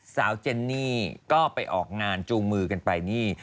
เจนนี่ก็ไปออกงานจูงมือกันไปนี่